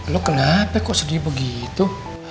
lu kenapa kok sedih begitu